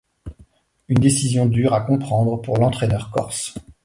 Une décision dure à comprendre pour l'entraîneur corse.